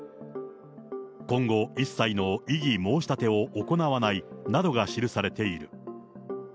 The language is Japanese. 今後一切の異議申し立てを行わないなどが記されている。